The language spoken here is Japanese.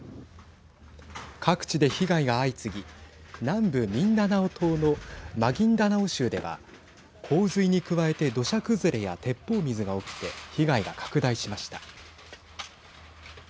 各地で被害が相次ぎ南部ミンダナオ島のマギンダナオ州では洪水に加えて土砂崩れや鉄砲水が起きて被害が拡大しました。